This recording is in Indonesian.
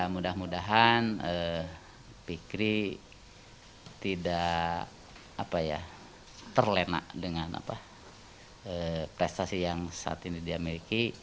mudah mudahan fikri tidak terlena dengan prestasi yang saat ini dia miliki